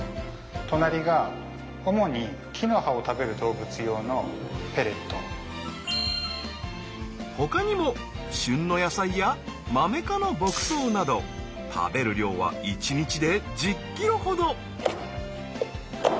隣がほかにも旬の野菜やマメ科の牧草など食べる量は１日で１０ｋｇほど。